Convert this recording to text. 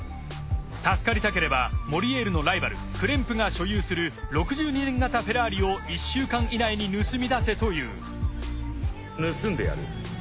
助かりたければモリエールのライバルクレンプが所有する６２年型フェラーリを１週間以内に盗みだせという盗んでやる